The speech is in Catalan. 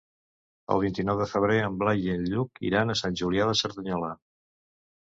El vint-i-nou de febrer en Blai i en Lluc iran a Sant Julià de Cerdanyola.